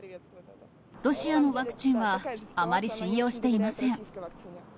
ロシアのワクチンはあまり信用していません。